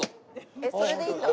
それでいいんだ。